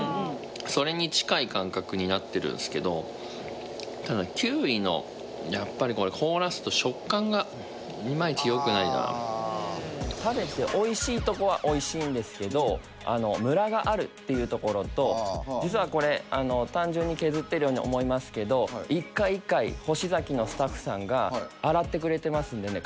それに近い感覚になってるんすけどただキウイのやっぱりこれ凍らすと食感がイマイチよくないな食べておいしいとこはおいしいんですけどムラがあるっていうところと実はこれ単純に削ってるように思いますけど一回一回ホシザキのスタッフさんが洗ってくれてますんでね